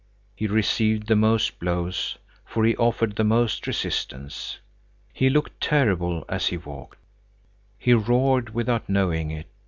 He received the most blows, for he offered the most resistance. He looked terrible, as he walked. He roared without knowing it.